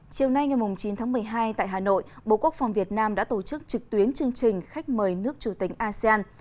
chiều nay ngày chín tháng một mươi hai tại hà nội bộ quốc phòng việt nam đã tổ chức trực tuyến chương trình khách mời nước chủ tính asean